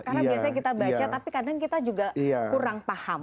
karena biasanya kita baca tapi kadang kita juga kurang paham